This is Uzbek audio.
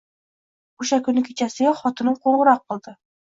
O`sha kuni kechasiyoq xotinim qo`ng`iroq qildi